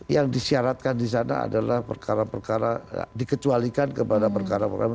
yang disyaratkan di sana adalah perkara perkara dikecualikan kepada perkara perkara